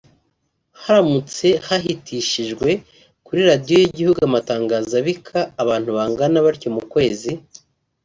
haramutse hahitishijwe kuri Radio y’ igihugu amatangazo abika abantu bangana batyo mu kwezi